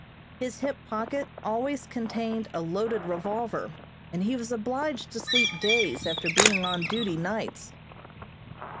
His hip pocket always contained a loaded revolver, and he was obliged to sleep days after being on duty nights.